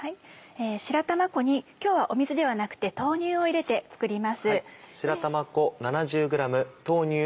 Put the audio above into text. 白玉粉に今日は水ではなくて豆乳を入れて作ります。